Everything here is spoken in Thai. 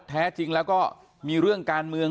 แท้จริงแล้วก็มีเรื่องการเมือง